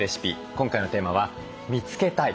今回のテーマは「見つけたい！